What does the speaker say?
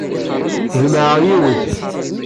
Jemɛeɣ yiwet.